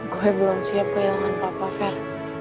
gue belum siap kehilangan papa fer